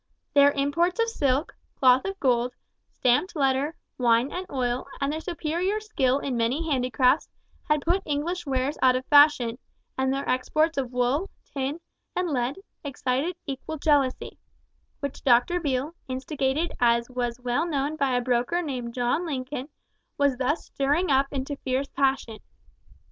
Their imports of silks, cloth of gold, stamped leather, wine and oil, and their superior skill in many handicrafts, had put English wares out of fashion; and their exports of wool, tin, and lead excited equal jealousy, which Dr. Beale, instigated as was well known by a broker named John Lincoln, was thus stirring up into fierce passion.